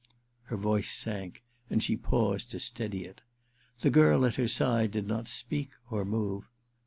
...* Her voice sank, and she paused to steady it. The girl at her side did not speak or move.